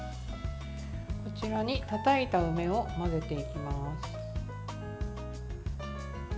こちらに、たたいた梅を混ぜていきます。